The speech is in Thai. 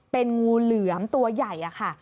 เป็นงูเหลือมตัวใหญ่ค่ะ